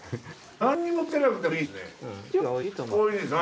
何にもつけなくてもいいですね。